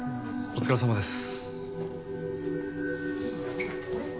お疲れさまです。